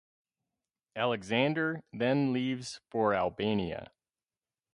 Aleksander then leaves for Albania.